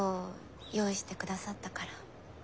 用意して下さったから。